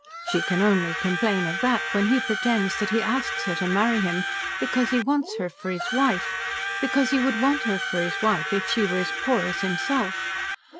She can only complain of that when he pretends that he asks her to marry him because he wants her for his wife, because he would want her for his wife if she were as poor as himself.